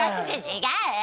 違う！